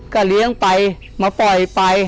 ก็เลี้ยงไปมาปล่อยไป